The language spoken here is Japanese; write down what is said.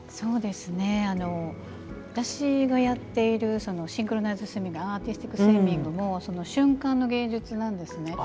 私がやっているシンクロナイズドスイミングアーティスティックスイミングも瞬間の芸術なんですね。